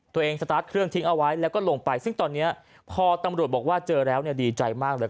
สตาร์ทเครื่องทิ้งเอาไว้แล้วก็ลงไปซึ่งตอนนี้พอตำรวจบอกว่าเจอแล้วเนี่ยดีใจมากเลย